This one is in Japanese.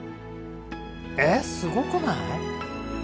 えっすごくない？